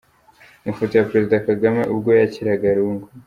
Amafoto ya Perezida Kagame ubwo yakiraga Lungu